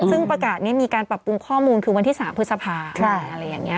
ซึ่งประกาศนี่มีการปรับปรุงข้อมูลคือวันที่๓พฤสภาคม